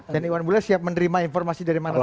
dan iwan bule siap menerima informasi dari mana saja pak